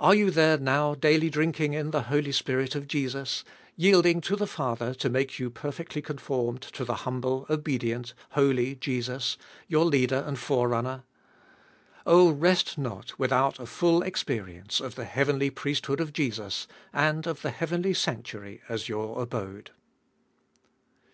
A re you there now daily drinking in the Holy Spirit of Jesus, yielding to the Father to make you perfectly conformed to the humble, obedient, holy Jesus, your Leader and Forerunner? Oh, rest not without a full experience of the heavenly priesthood of Jesus, and of the heavenly sanctuary as your abode.